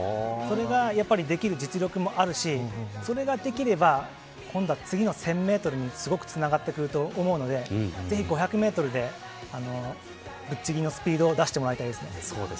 それができる実力もあるしそれができれば今度は次の１０００メートルにもすごくつながってくると思うのでぜひ５００メートルでぶっちぎりのスピードを出してもらいたいです。